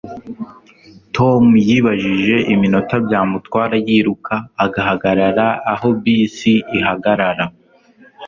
Tom yibajije iminota byamutwara yiruka ahagarara aho bisi ihagarara.